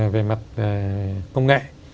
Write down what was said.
về mặt công nghệ